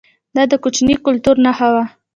دا د کوچي کلتور نښه وه